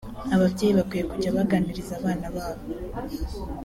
Ababyeyi bakwiye kujya baganiriza abana babo